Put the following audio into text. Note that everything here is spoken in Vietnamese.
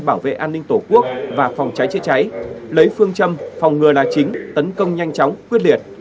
bảo vệ an ninh tổ quốc và phòng cháy chữa cháy lấy phương châm phòng ngừa là chính tấn công nhanh chóng quyết liệt